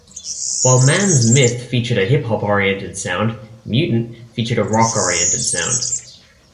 While "Man's Myth" featured a hip hop-oriented sound, "Mutant" featured a rock oriented sound.